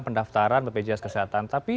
pendaftaran bpjs kesehatan tapi